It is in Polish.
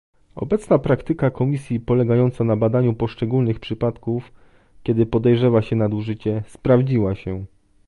Obecna praktyka Komisji polegająca na badaniu poszczególnych przypadków, kiedy podejrzewa się nadużycie, sprawdziła się